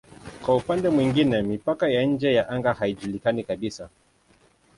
Kwa upande mwingine mipaka ya nje ya anga haijulikani kabisa.